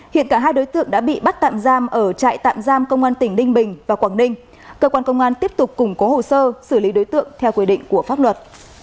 hiện cả hai đối tượng đã bị bắt tạm giam ở trại tạm giam công an tỉnh ninh bình và quảng ninh cơ quan công an tiếp tục củng cố hồ sơ xử lý đối tượng theo quy định của pháp luật